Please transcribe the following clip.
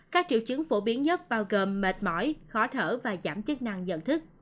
các triệu chứng phổ biến nhất bao gồm mệt mỏi khó thở và giảm chức năng nhận thức